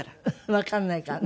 わかんないからね。